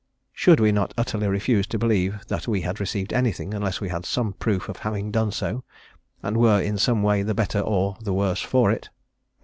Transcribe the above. Should we not utterly refuse to believe that we had received anything unless we had some proof of having done so, and were in some way the better or the worse for it?